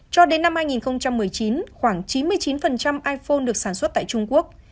cho đến năm hai nghìn một mươi chín khoảng chín mươi chín iphone được sản xuất tại trung quốc